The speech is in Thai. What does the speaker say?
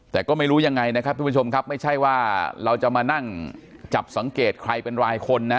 แต่ก็ไม่รู้ยังไงนะครับทุกผู้ชมครับไม่ใช่ว่าเราจะมานั่งจับสังเกตใครเป็นรายคนนะ